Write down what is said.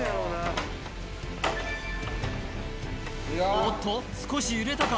おっと少し揺れたか？